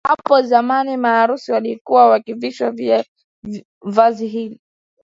Hapo zamani maharusi walikuwa wakivishwa vazi hili